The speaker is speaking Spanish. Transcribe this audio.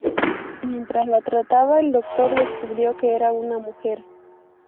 Mientras la trataba el doctor descubrió que era una mujer.